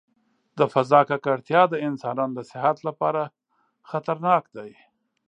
د فضا ککړتیا د انسانانو د صحت لپاره خطرناک دی.